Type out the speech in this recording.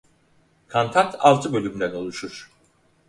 Kantat altı bölümden oluşur.